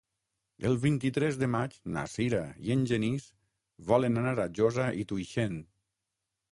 El vint-i-tres de maig na Sira i en Genís volen anar a Josa i Tuixén.